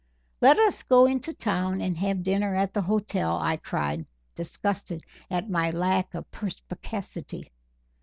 "Let us go into town and have dinner at the hotel," I cried, disgusted at my lack of perspicacity.